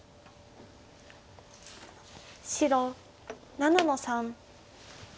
白７の三。